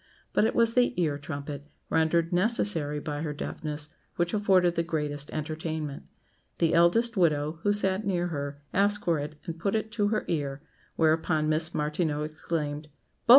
But it was the ear trumpet, rendered necessary by her deafness, which afforded the greatest entertainment. The eldest widow, who sat near her, asked for it and put it to her ear; whereupon Miss Martineau exclaimed, "Bo!"